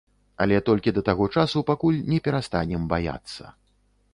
Але толькі да таго часу, пакуль не перастанем баяцца.